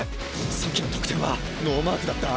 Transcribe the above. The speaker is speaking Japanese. さっきの得点はノーマークだった